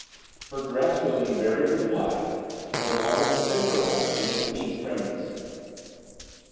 Her dress was invariably black, and was almost Quaker like in its neat primness.